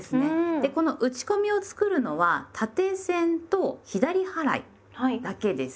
でこの打ち込みを作るのは縦線と左払いだけです。